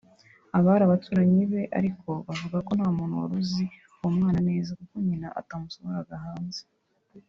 Aba baturanyi be ariko bavuga ko nta muntu wari uzi uwo mwana neza kuko nyina atamusohoraga hanze